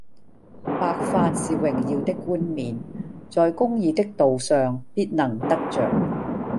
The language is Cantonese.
白髮是榮耀的冠冕，在公義的道上必能得著